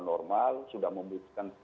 normal sudah membuktikan